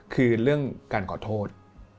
คือเรื่องการขอโทษ